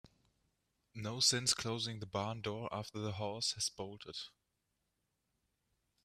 No sense closing the barn door after the horse has bolted.